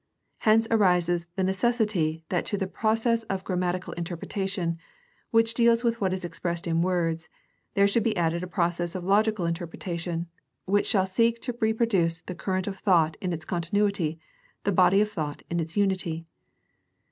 Hence arises the necessity that to the process of grammatical interpretation, which deals with what is expressed in words, there should be added a process of logical interpretation which shall seek to reproduce the current of thought in its continuity, the body of thought in its unity.